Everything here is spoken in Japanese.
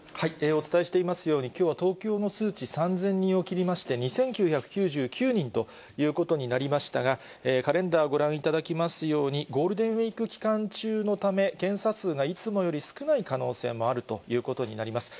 お伝えしていますように、きょうは東京の数値、３０００人を切りまして、２９９９人ということになりましたが、カレンダーをご覧いただきますように、ゴールデンウィーク期間中のため、検査数がいつもより少ない可能性もあるということになります。